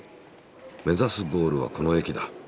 目指すゴールはこの駅だ。